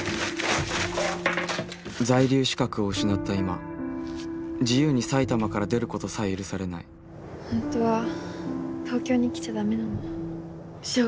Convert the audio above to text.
在留資格を失った今自由に埼玉から出ることさえ許されない本当は東京に来ちゃ駄目なの。